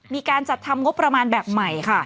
มีการจัดทำงบประมาณแบบใหม่ค่ะ